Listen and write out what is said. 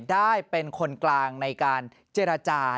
ได้เป็นคนกลางในการเจรจา